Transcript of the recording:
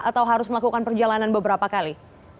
atau harus melakukan perjalanan beberapa kali